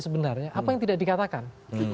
sebenarnya apa yang tidak dikatakan